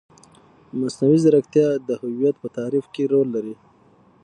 مصنوعي ځیرکتیا د هویت په تعریف کې رول لري.